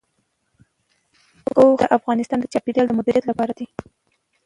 اوښ د افغانستان د چاپیریال د مدیریت لپاره دی.